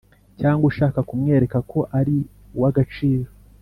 cyangwa ushaka kumwereka ko ari uw’agaciro